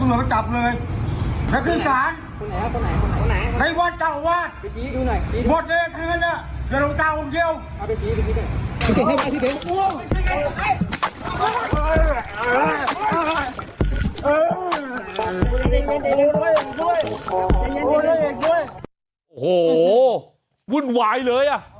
โอ้โหรุ่นวายเลย